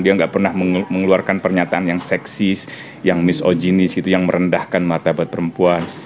dia nggak pernah mengeluarkan pernyataan yang seksis yang misoginis gitu yang merendahkan mata buat perempuan